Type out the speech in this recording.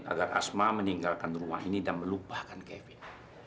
agar asma meninggalkan rumah ini dan melupakan kevin